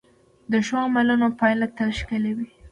د ښو عملونو پایله تل ښکلې وي.